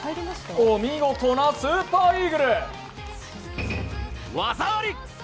お見事なスーパーイーグル！